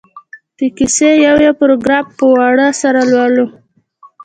د کیسې یو یو پراګراف په وار سره ولولي.